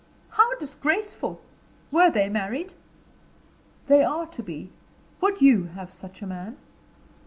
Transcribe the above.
"How disgraceful! Were they married?" "They are to be. Would you have such a man?"